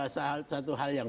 satu hal yang